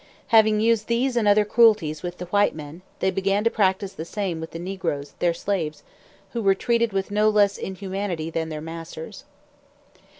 Having used these and other cruelties with the white men, they began to practise the same with the negroes, their slaves, who were treated with no less inhumanity than their masters.